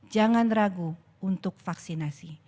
jangan ragu untuk vaksinasi